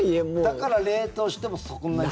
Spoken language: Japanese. だから冷凍してもそこまで。